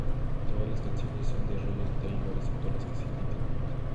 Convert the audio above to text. Todas las canciones son de Roger Taylor, excepto las que se indiquen.